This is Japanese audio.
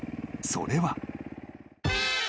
それは］